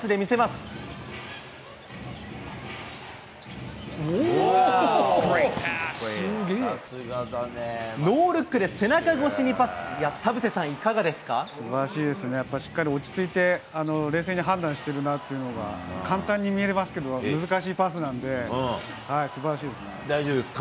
すばらしいですね、やっぱりしっかり落ち着いて冷静に判断してるなっていうのが、簡単に見えますけど、難しいパスなんで、すばらしいですね。